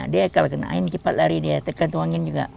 dia kalau kena air cepat lari dia tekan tuangin juga